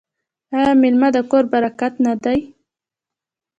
آیا میلمه د کور برکت نه دی؟